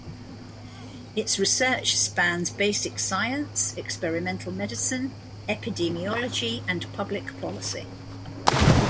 Its research spans basic science, experimental medicine, epidemiology and public policy.